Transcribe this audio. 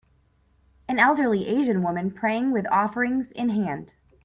An elderly Asian woman praying with offerings in hand.